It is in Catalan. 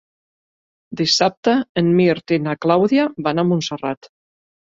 Dissabte en Mirt i na Clàudia van a Montserrat.